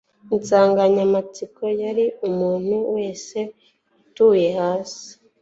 insanganyamatsiko yari "Umuntu wese Atuye Hasi"